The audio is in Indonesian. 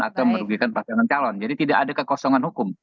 atau merugikan pasangan calon jadi tidak ada kekosongan hukum